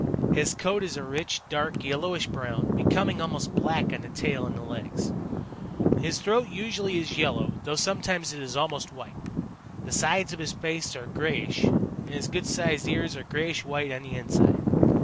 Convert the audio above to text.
His coat is a rich, dark, yellowish brown, becoming almost black on the tail and legs. His throat usually is yellow, though sometimes it is almost white. The sides of his face are grayish, and his good sized ears are grayish white on the inside.